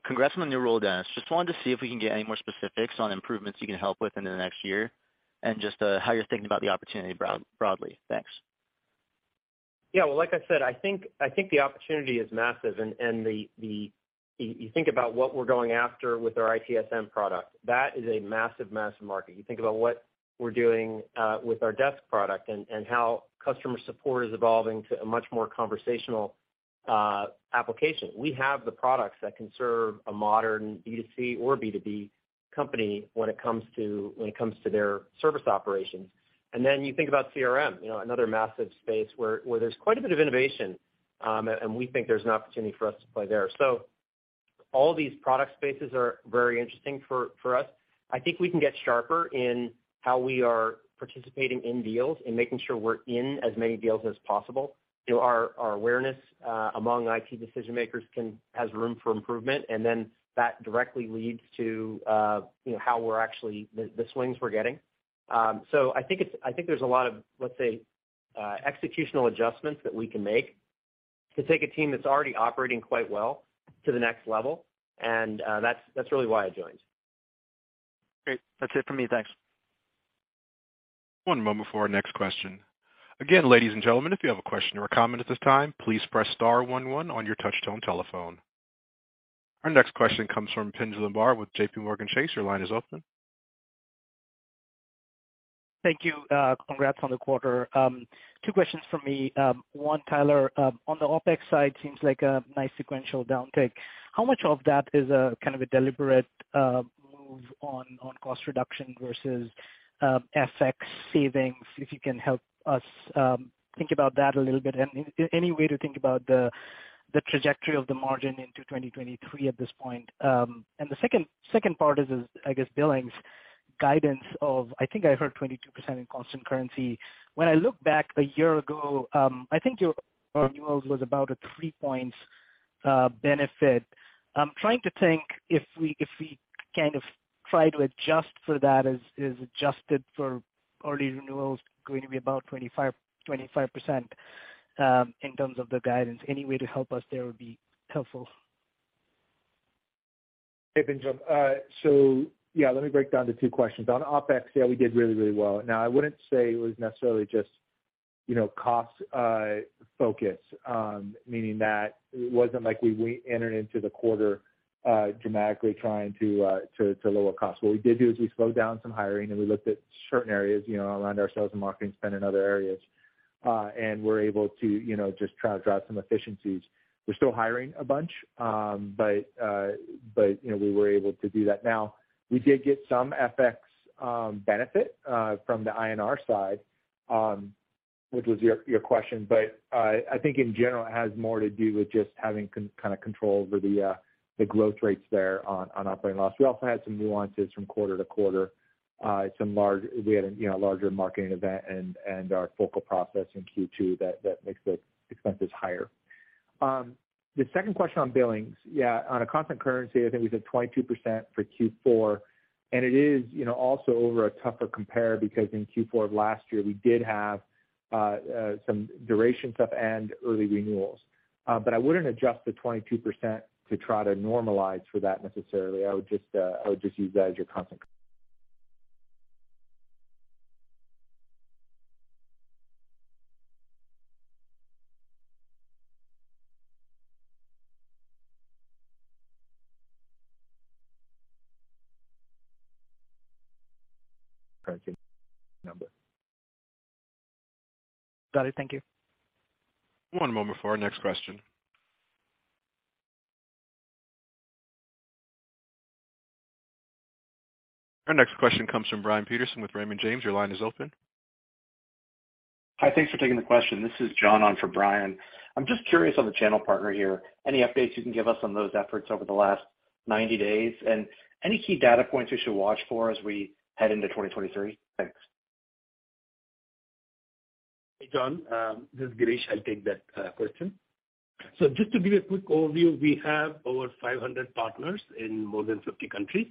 Speaker 11: Congrats on the new role, Dennis. Just wanted to see if we can get any more specifics on improvements you can help with into the next year and just how you're thinking about the opportunity broadly. Thanks.
Speaker 3: Yeah. Well, like I said, I think the opportunity is massive. You think about what we're going after with our ITSM product, that is a massive market. You think about what we're doing with our desk product and how customer support is evolving to a much more conversational application. We have the products that can serve a modern B2C or B2B company when it comes to their service operations. You think about CRM, you know, another massive space where there's quite a bit of innovation, and we think there's an opportunity for us to play there. All these product spaces are very interesting for us. I think we can get sharper in how we are participating in deals and making sure we're in as many deals as possible.
Speaker 4: You know, our awareness among IT decision-makers has room for improvement, and then that directly leads to how we're actually the swings we're getting. I think there's a lot of, let's say, executional adjustments that we can make to take a team that's already operating quite well to the next level. That's really why I joined.
Speaker 11: Great. That's it for me. Thanks.
Speaker 5: One moment before our next question. Again, ladies and gentlemen, if you have a question or a comment at this time, please press star one one on your touchtone telephone. Our next question comes from Pinjalim Bora with JPMorgan Chase. Your line is open.
Speaker 12: Thank you. Congrats on the quarter. Two questions from me. One, Tyler, on the OpEx side, seems like a nice sequential downtick. How much of that is a kind of a deliberate move on cost reduction versus FX savings? If you can help us think about that a little bit. Any way to think about the trajectory of the margin into 2023 at this point. The second part is, I guess, billings guidance of, I think I heard 22% in constant currency. When I look back a year ago, I think your renewals was about a three-point benefit. I'm trying to think if we kind of try to adjust for that, is adjusted for early renewals going to be about 25% in terms of the guidance? Any way to help us there would be helpful.
Speaker 4: Hey, Pinjalim. Yeah, let me break down the two questions. On OpEx, yeah, we did really, really well. Now, I wouldn't say it was necessarily just, you know, cost focus, meaning that it wasn't like we entered into the quarter dramatically trying to lower costs. What we did do is we slowed down some hiring and we looked at certain areas, you know, around our sales and marketing spend in other areas, and we're able to, you know, just try to drive some efficiencies. We're still hiring a bunch, but, you know, we were able to do that. Now, we did get some FX benefit from the INR side, which was your question. I think in general, it has more to do with just having kind of control over the growth rates there on operating loss. We also had some nuances from quarter to quarter. We had a, you know, larger marketing event and our focal process in Q2 that makes the expenses higher. The second question on billings. Yeah, on a constant currency, I think we said 22% for Q4. It is, you know, also over a tougher compare because in Q4 of last year we did have some duration stuff and early renewals. I wouldn't adjust the 22% to try to normalize for that necessarily. I would just use that as your constant number.
Speaker 12: Got it. Thank you.
Speaker 5: One moment for our next question. Our next question comes from Brian Peterson with Raymond James. Your line is open.
Speaker 13: Hi. Thanks for taking the question. This is John on for Brian. I'm just curious on the channel partner here. Any updates you can give us on those efforts over the last 90 days, and any key data points we should watch for as we head into 2023? Thanks.
Speaker 2: Hey, John, this is Girish. I'll take that question. Just to give you a quick overview, we have over 500 partners in more than 50 countries.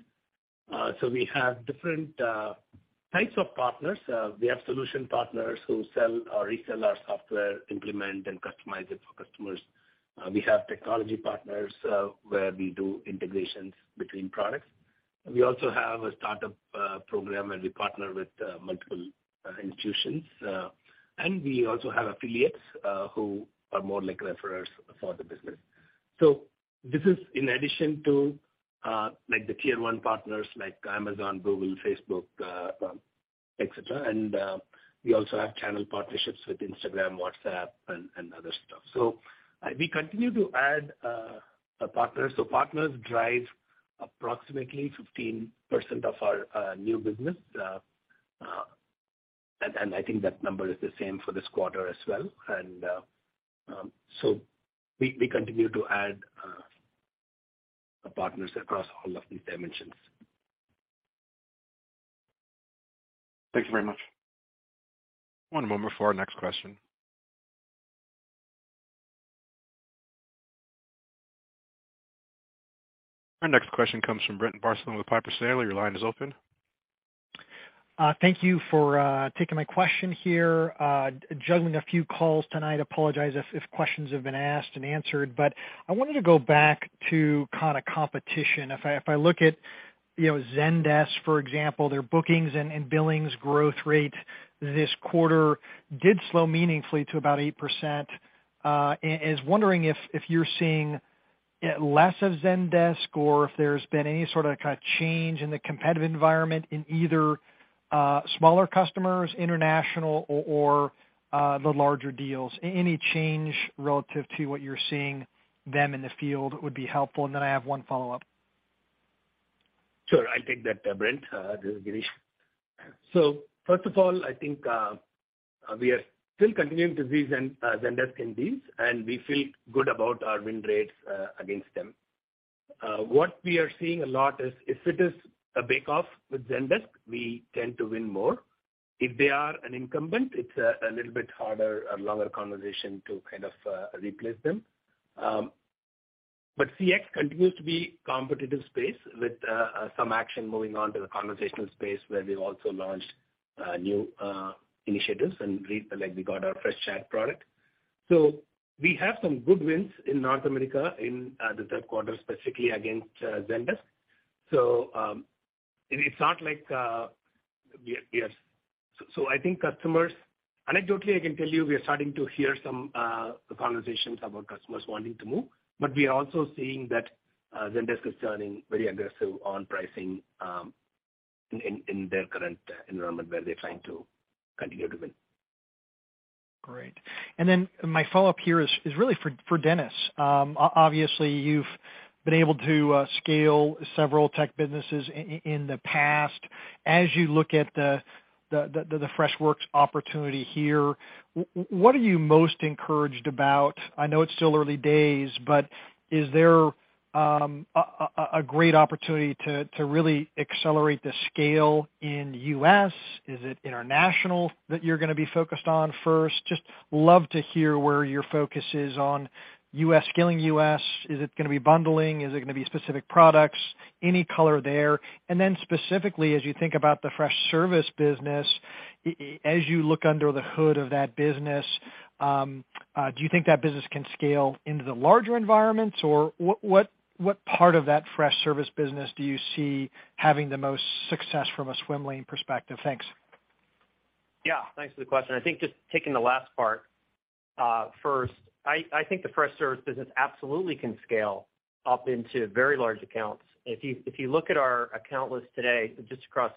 Speaker 2: We have different types of partners. We have solution partners who sell or resell our software, implement and customize it for customers. We have technology partners where we do integrations between products. We also have a startup program where we partner with multiple institutions. We also have affiliates who are more like referrers for the business. This is in addition to like the tier one partners like Amazon, Google, Facebook, et cetera. We also have channel partnerships with Instagram, WhatsApp and other stuff. We continue to add partners. Partners drive approximately 15% of our new business. I think that number is the same for this quarter as well. We continue to add partners across all of these dimensions.
Speaker 13: Thanks very much.
Speaker 5: One moment for our next question. Our next question comes from Brent Bracelin with Piper Sandler. Your line is open.
Speaker 14: Thank you for taking my question here. Juggling a few calls tonight. I apologize if questions have been asked and answered. I wanted to go back to kind of competition. If I look at, you know, Zendesk, for example, their bookings and billings growth rate this quarter did slow meaningfully to about 8%. I'm wondering if you're seeing less of Zendesk or if there's been any sort of kind of change in the competitive environment in either smaller customers, international or the larger deals. Any change relative to what you're seeing them in the field would be helpful. I have one follow-up.
Speaker 2: Sure. I'll take that, Brent. This is Girish. First of all, I think we are still continuing to see Zendesk in these, and we feel good about our win rates against them. What we are seeing a lot is if it is a bake-off with Zendesk, we tend to win more. If they are an incumbent, it's a little bit harder, a longer conversation to kind of replace them. But CX continues to be competitive space with some action moving on to the conversational space where we've also launched new initiatives and like we got our Freshchat product. We have some good wins in North America in the third quarter, specifically against Zendesk. It's not like we are. I think customers. Anecdotally, I can tell you we are starting to hear some conversations about customers wanting to move, but we are also seeing that Zendesk is turning very aggressive on pricing, in their current environment where they're trying to continue to win.
Speaker 14: Great. My follow-up here is really for Dennis. Obviously, you've been able to scale several tech businesses in the past. As you look at the Freshworks opportunity here, what are you most encouraged about? I know it's still early days, but is there a great opportunity to really accelerate the scale in U.S.? Is it international that you're gonna be focused on first? Just love to hear where your focus is on U.S., scaling U.S. Is it gonna be bundling? Is it gonna be specific products? Any color there. Specifically, as you think about the Freshservice business, as you look under the hood of that business, do you think that business can scale into the larger environments? What part of that Freshservice business do you see having the most success from a swim lane perspective? Thanks.
Speaker 3: Yeah. Thanks for the question. I think just taking the last part first, I think the Freshservice business absolutely can scale up into very large accounts. If you look at our account list today, just across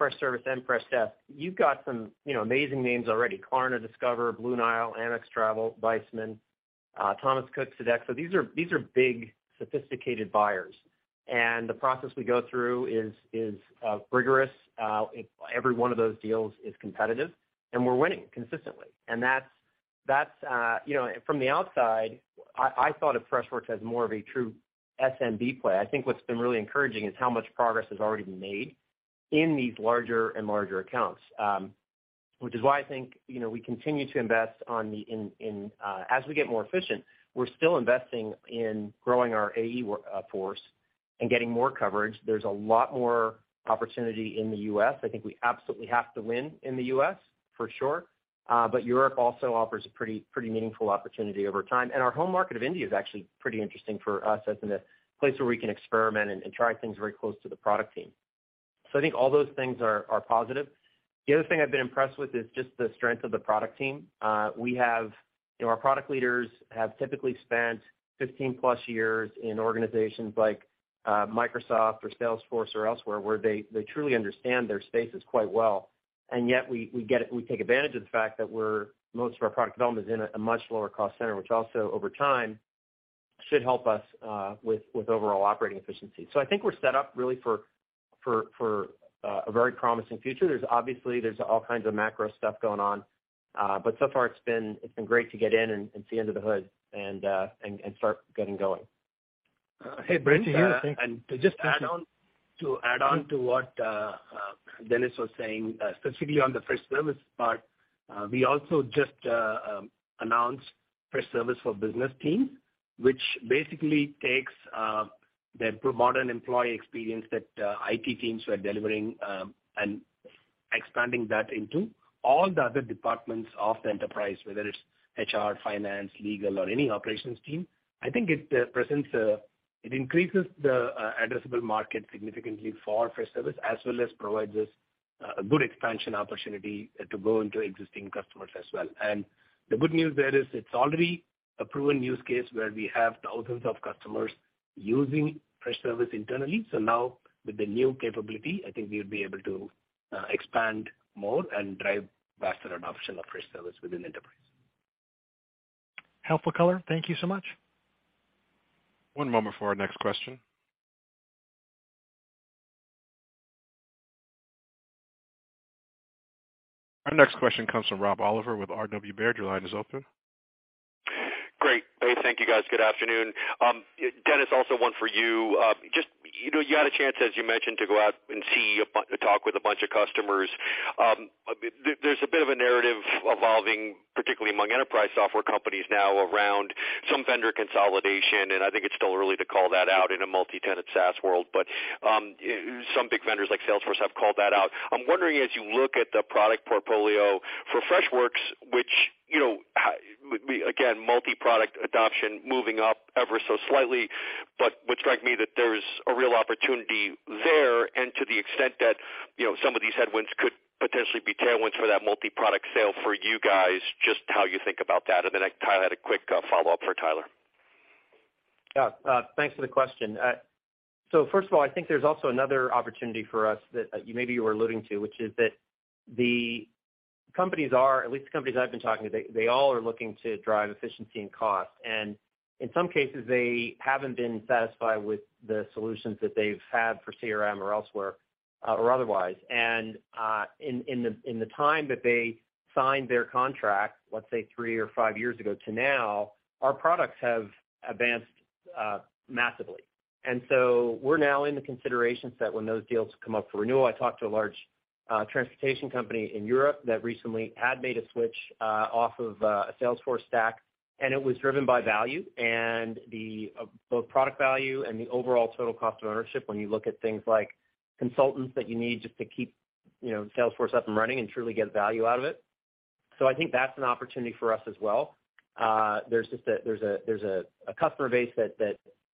Speaker 3: Freshservice and Freshdesk, you've got some, you know, amazing names already. Klarna, Discover, Blue Nile, Amex Travel, Viessmann, Thomas Cook, Sodexo. These are big, sophisticated buyers. The process we go through is rigorous. Every one of those deals is competitive, and we're winning consistently. That's, you know, from the outside, I thought of Freshworks as more of a true SMB play. I think what's been really encouraging is how much progress has already been made in these larger and larger accounts. Which is why I think, you know, we continue to invest in, as we get more efficient, we're still investing in growing our AE force and getting more coverage. There's a lot more opportunity in the U.S. I think we absolutely have to win in the U.S., for sure. But Europe also offers a pretty meaningful opportunity over time. Our home market of India is actually pretty interesting for us as a place where we can experiment and try things very close to the product team. I think all those things are positive. The other thing I've been impressed with is just the strength of the product team. We have, you know, our product leaders have typically spent 15+ years in organizations like Microsoft or Salesforce or elsewhere where they truly understand their spaces quite well. Yet we take advantage of the fact that most of our product development is in a much lower cost center, which also over time should help us with overall operating efficiency. I think we're set up really for a very promising future. There's obviously all kinds of macro stuff going on. So far it's been great to get in and see under the hood and start getting going.
Speaker 2: Hey, Brent,
Speaker 14: Yeah.
Speaker 2: Just to add on to what Dennis was saying, specifically on the Freshservice part, we also just announced Freshservice for Business Teams, which basically takes the modern employee experience that IT teams were delivering, and expanding that into all the other departments of the enterprise, whether it's HR, finance, legal, or any operations team. I think it increases the addressable market significantly for Freshservice, as well as provides us a good expansion opportunity to go into existing customers as well. The good news there is it's already a proven use case where we have thousands of customers using Freshservice internally. Now with the new capability, I think we'll be able to expand more and drive faster adoption of Freshservice within enterprise.
Speaker 14: Helpful color. Thank you so much.
Speaker 5: One moment for our next question. Our next question comes from Rob Oliver with RW Baird. Your line is open.
Speaker 15: Great. Hey, thank you, guys. Good afternoon. Dennis, also one for you. Just, you know, you had a chance, as you mentioned, to go out and talk with a bunch of customers. There's a bit of a narrative evolving, particularly among enterprise software companies now around some vendor consolidation, and I think it's still early to call that out in a multi-tenant SaaS world. But some big vendors like Salesforce have called that out. I'm wondering, as you look at the product portfolio for Freshworks, which, you know, would be again, multi-product adoption moving up ever so slightly, but would strike me that there's a real opportunity there. To the extent that, you know, some of these headwinds could potentially be tailwinds for that multi-product sale for you guys, just how you think about that. I had a quick follow-up for Tyler.
Speaker 3: Yeah. Thanks for the question. So first of all, I think there's also another opportunity for us that, maybe you were alluding to, which is that the companies are, at least the companies I've been talking to, they all are looking to drive efficiency and cost. In some cases, they haven't been satisfied with the solutions that they've had for CRM or elsewhere, or otherwise. In the time that they signed their contract, let's say three or five years ago to now, our products have advanced massively. We're now in the consideration set when those deals come up for renewal. I talked to a large transportation company in Europe that recently had made a switch off of a Salesforce stack, and it was driven by value and the both product value and the overall total cost of ownership, when you look at things like consultants that you need just to keep, you know, Salesforce up and running and truly get value out of it. I think that's an opportunity for us as well. There's a customer base that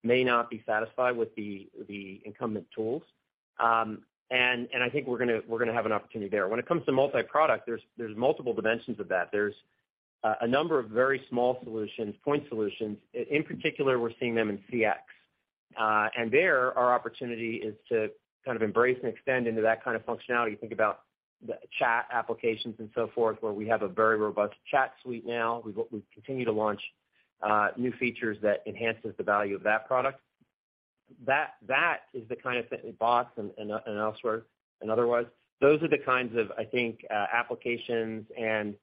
Speaker 3: may not be satisfied with the incumbent tools. I think we're gonna have an opportunity there. When it comes to multi-product, there's multiple dimensions of that. There's a number of very small solutions, point solutions. In particular, we're seeing them in CX. Our opportunity is to kind of embrace and extend into that kind of functionality. Think about the chat applications and so forth, where we have a very robust chat suite now. We've continued to launch new features that enhances the value of that product. That is the kind of thing, bots and elsewhere and otherwise, those are the kinds of, I think, applications and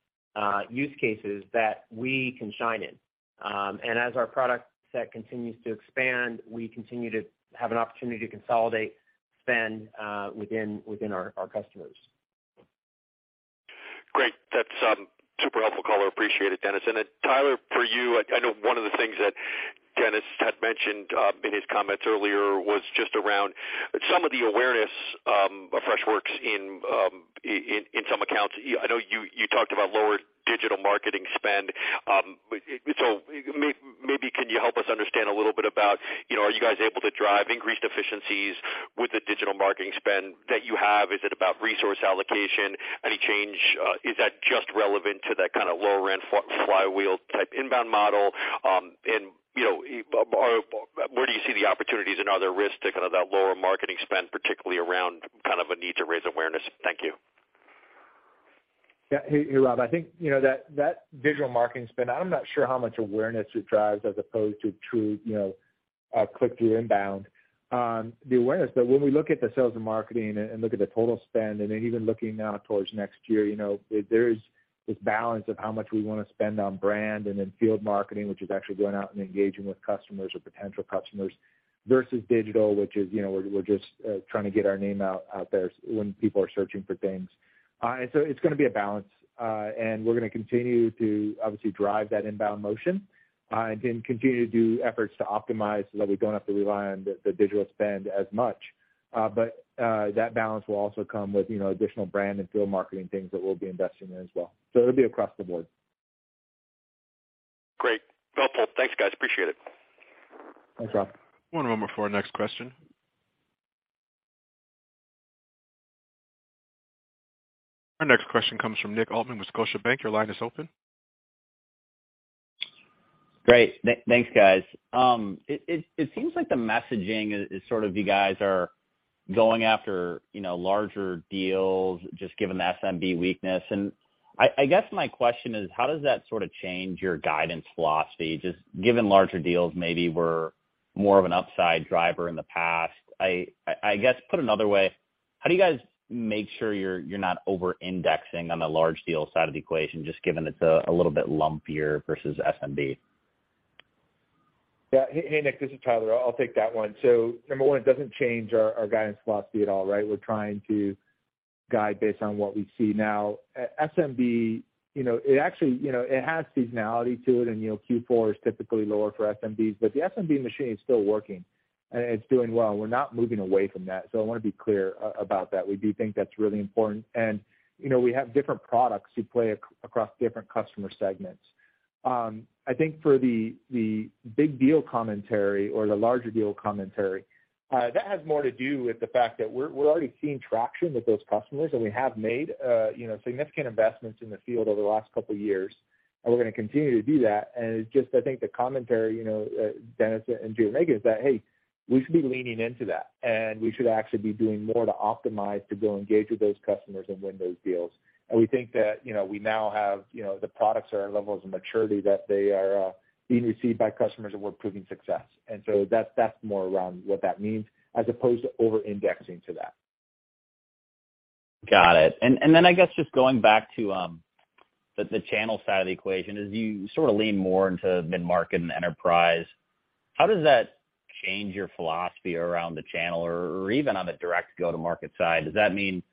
Speaker 3: use cases that we can shine in. As our product set continues to expand, we continue to have an opportunity to consolidate spend within our customers.
Speaker 15: Great. That's super helpful color. Appreciate it, Dennis. Then Tyler, for you, I know one of the things that Dennis had mentioned in his comments earlier was just around some of the awareness of Freshworks in some accounts. I know you talked about lower digital marketing spend. Maybe can you help us understand a little bit about, you know, are you guys able to drive increased efficiencies with the digital marketing spend that you have? Is it about resource allocation? Any change? Is that just relevant to that kinda lower end flywheel type inbound model? You know, where do you see the opportunities and are there risks to kind of that lower marketing spend, particularly around kind of a need to raise awareness? Thank you.
Speaker 4: Yeah. Hey, Rob, I think you know that digital marketing spend. I'm not sure how much awareness it drives as opposed to true click-through inbound. The awareness, though, when we look at the sales and marketing and look at the total spend, and then even looking now towards next year, you know, there is this balance of how much we wanna spend on brand and in field marketing, which is actually going out and engaging with customers or potential customers, versus digital, which is, you know, we're just trying to get our name out there when people are searching for things. It's gonna be a balance. We're gonna continue to obviously drive that inbound motion, and then continue to do efforts to optimize so that we don't have to rely on the digital spend as much. That balance will also come with, you know, additional brand and field marketing things that we'll be investing in as well. It'll be across the board.
Speaker 15: Great. Well told. Thanks, guys. Appreciate it.
Speaker 4: Thanks, Rob.
Speaker 5: One moment before our next question. Our next question comes from Nick Altmann with Scotiabank. Your line is open.
Speaker 16: Great. Thanks, guys. It seems like the messaging is sort of you guys are going after, you know, larger deals just given the SMB weakness. I guess my question is, how does that sort of change your guidance philosophy, just given larger deals maybe were more of an upside driver in the past? I guess put another way, how do you guys make sure you're not over-indexing on the large deal side of the equation, just given it's a little bit lumpier versus SMB?
Speaker 4: Yeah. Hey, Nick, this is Tyler. I'll take that one. So number one, it doesn't change our guidance philosophy at all, right? We're trying to guide based on what we see now. SMB, you know, it actually, you know, it has seasonality to it, and you know, Q4 is typically lower for SMBs. But the SMB machine is still working, and it's doing well. We're not moving away from that, so I wanna be clear about that. We do think that's really important. You know, we have different products who play across different customer segments. I think for the big deal commentary or the larger deal commentary, that has more to do with the fact that we're already seeing traction with those customers, and we have made, you know, significant investments in the field over the last couple years, and we're gonna continue to do that. It's just, I think, the commentary, you know, Dennis and Girish making is that, hey, we should be leaning into that, and we should actually be doing more to optimize to go engage with those customers and win those deals. We think that, you know, we now have, you know, the products are at levels of maturity that they are, being received by customers and we're proving success. That's more around what that means as opposed to over-indexing to that.
Speaker 16: Got it. I guess just going back to the channel side of the equation is you sort of lean more into mid-market and enterprise. How does that change your philosophy around the channel or even on the direct go-to-market side? Does that mean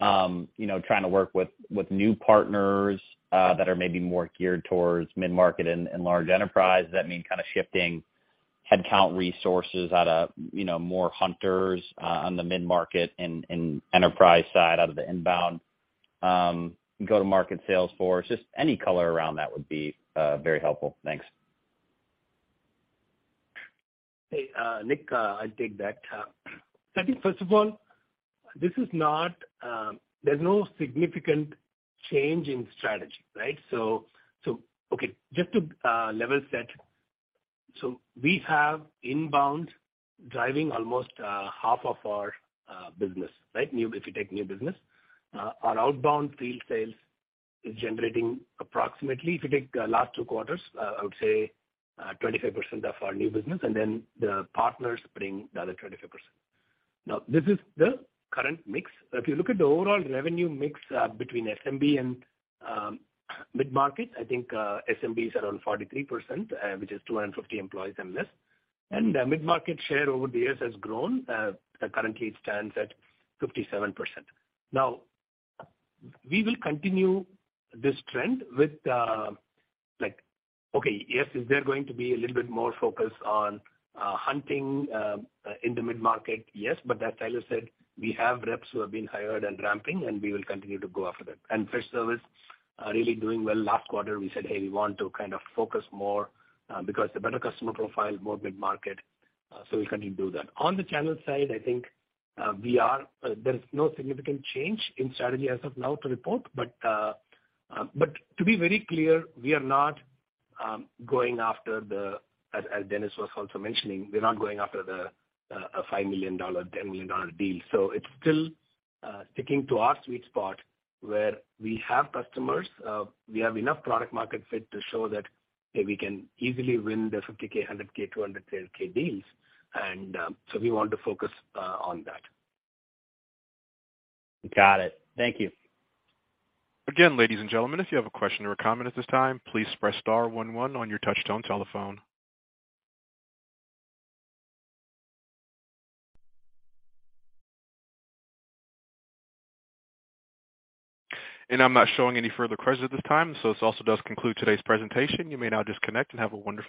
Speaker 16: you know trying to work with new partners that are maybe more geared towards mid-market and large enterprise? Does that mean kinda shifting headcount resources out of you know more hunters on the mid-market and enterprise side out of the inbound go-to-market sales force? Just any color around that would be very helpful. Thanks.
Speaker 2: Hey, Nick, I'll take that. I think first of all, this is not. There's no significant change in strategy, right? Okay, just to level set, we have inbound driving almost half of our business, right? If you take new business. Our outbound field sales is generating approximately, if you take the last two quarters, I would say, 25% of our new business, and then the partners bring the other 25%. Now, this is the current mix. If you look at the overall revenue mix, between SMB and mid-market, I think, SMB is around 43%, which is 250 employees and less. The mid-market share over the years has grown, that currently stands at 57%. Now, we will continue this trend with like. Okay, yes, is there going to be a little bit more focus on hunting in the mid-market? Yes. As Tyler said, we have reps who have been hired and ramping, and we will continue to go after them. Professional services are really doing well. Last quarter we said, "Hey, we want to kind of focus more because the better customer profile, more mid-market," so we'll continue to do that. On the channel side, I think there is no significant change in strategy as of now to report. To be very clear, we are not going after the, as Dennis was also mentioning, we're not going after the a $5 million, $10 million deal. It's still sticking to our sweet spot where we have customers. We have enough product market fit to show that, hey, we can easily win the $50K, $100K, $200K deals, and so we want to focus on that.
Speaker 16: Got it. Thank you.
Speaker 5: Again, ladies and gentlemen, if you have a question or a comment at this time, please press star one one on your touchtone telephone. I'm not showing any further questions at this time, so this also does conclude today's presentation. You may now disconnect and have a wonderful day.